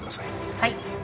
はい。